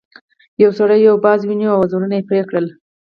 یو سړي یو باز ونیو او وزرونه یې پرې کړل.